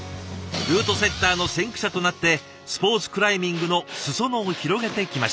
ルートセッターの先駆者となってスポーツクライミングの裾野を広げてきました。